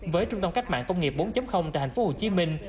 với trung tâm cách mạng công nghiệp bốn tại thành phố hồ chí minh